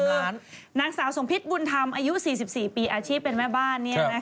นางสาวสมพิษบุญธรรมอายุ๔๔ปีอาชีพเป็นแม่บ้าน